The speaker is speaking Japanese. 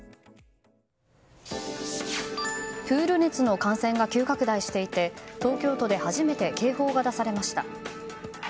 プール熱の感染が急拡大していて東京都で初めて警報が出されました。